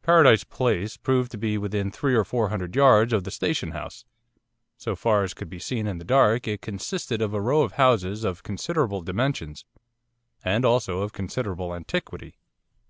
Paradise Place proved to be within three or four hundred yards of the Station House. So far as could be seen in the dark it consisted of a row of houses of considerable dimensions, and also of considerable antiquity.